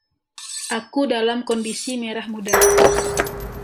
Aku dalam kondisi merah muda.